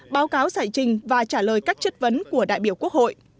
báo cáo giải trình và trả lời các chất vấn của đại biểu quốc hội